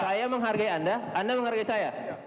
saya menghargai anda anda menghargai saya